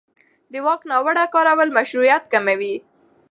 د واک ناوړه کارول مشروعیت کموي